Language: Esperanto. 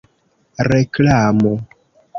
reklamo